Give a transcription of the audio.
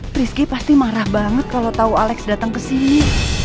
triske pasti marah banget kalau tau alex datang kesini